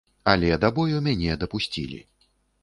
Але да бою мяне дапусцілі.